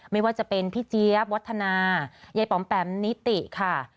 ไม่ว่าจะเป็นพี่เจี๊ยบวัฒนายายป๋อมแปมนิติค่ะ